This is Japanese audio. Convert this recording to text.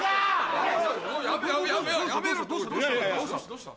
どうした？